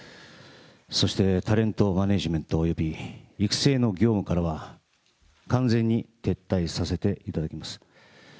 そして、タレントマネージメント、育成の業務からは完全に撤退させていただきます。